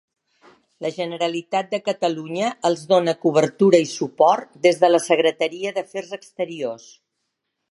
La Generalitat de Catalunya els dóna cobertura i suport des de la Secretaria d'Afers Exteriors.